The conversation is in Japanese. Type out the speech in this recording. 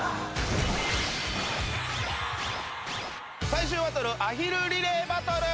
最終バトルアヒルリレーバトル！